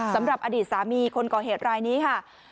สำหรับอดีตสามีคนก่อเหตุรายนี้ค่ะ